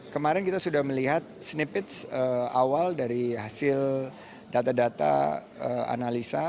kemarin kita sudah melihat snippits awal dari hasil data data analisa